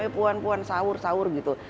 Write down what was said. puan puan sahur sahur gitu